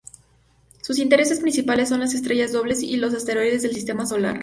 Sus intereses principales son las estrellas dobles y los asteroides del sistema solar.